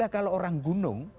kalau orang gunung